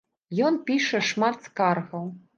Ён піша шмат скаргаў.